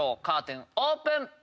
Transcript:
カーテンオープン！